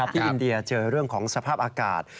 อินเดียเจอเรื่องของสภาพอากาศ